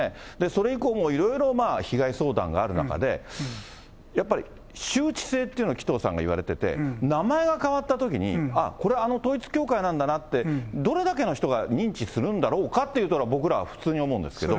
それ以降もいろいろ被害相談がある中で、やっぱり周知性というのは紀藤さんが言われてて、名前が変わったときに、あ、これはあの統一教会なんだなってどれだけの人が認知するんだろうかといったら、僕らは普通に思うんですけど。